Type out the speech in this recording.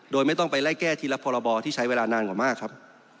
โดยไม่ต้องไปไล่แก้ทีละพรบที่ใช้เวลานานกว่ามากครับ